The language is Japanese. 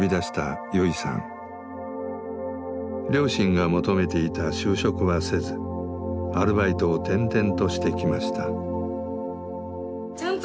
両親が求めていた就職はせずアルバイトを転々としてきました。